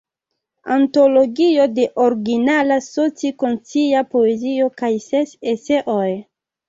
Antologio de originala soci-konscia poezio kaj ses eseoj.